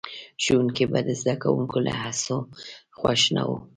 ښوونکي به د زده کوونکو له هڅو خوښ نه وو.